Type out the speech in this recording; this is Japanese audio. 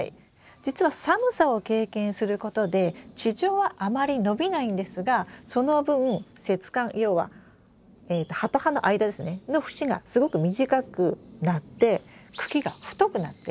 実は寒さを経験することで地上はあまり伸びないんですがその分節間要はえと葉と葉の間ですねの節がすごく短くなって茎が太くなってがっちりした苗になるんです。